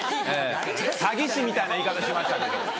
詐欺師みたいな言い方しましたけど。